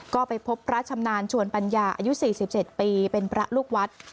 ก็ไปพบพระชำนาญชวนปัญญาอายุ๔๗ปีเป็นพระลูกวัด